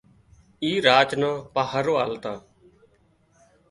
اي راچ نان پاهرو آلتا